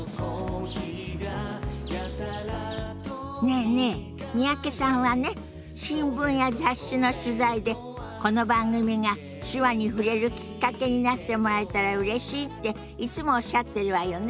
ねえねえ三宅さんはね新聞や雑誌の取材でこの番組が手話に触れるきっかけになってもらえたらうれしいっていつもおっしゃってるわよね。